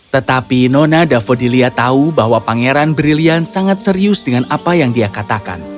tetapi nona davodilia tahu bahwa pangeran brilian sangat serius dengan apa yang dia katakan